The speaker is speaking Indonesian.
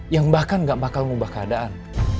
yang bahkan gak bakal mengubah keadaan